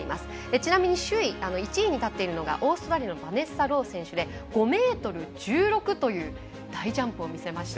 ちなみに１位に立っているのがオーストラリアのバネッサ・ロー選手で５ｍ１６という大ジャンプを見せました。